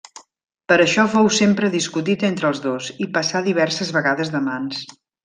Per això fou sempre discutit entre els dos, i passà diverses vegades de mans.